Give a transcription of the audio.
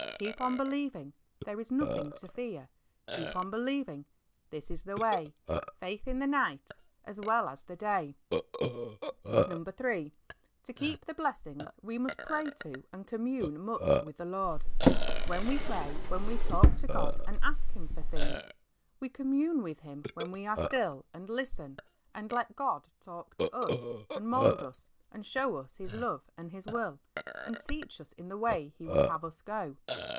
Keep on believing, there's nothing to fear ; Keep on believing, this is the way, Faith in the night as well as the day. 34 HEART TALKS ON HOLINESS. III. To keep the blessings we must pray to and commune much with the Lord, We pray when we talk to God and ask Him for things. We commune with Him when we are still and listen, and let God talk to us, and mould us, and show us His love and His will, and teach us in the way He would have us go.